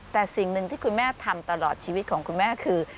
แต่สิ่งหนึ่งที่คุณแม่ทำตลอดชีวิตของคุณแม่คือ